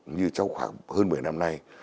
như trong khoảng hơn một mươi năm nay